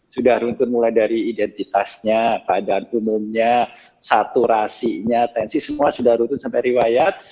sudah runtun mulai dari identitasnya keadaan umumnya saturasinya tensi semua sudah runtun sampai riwayat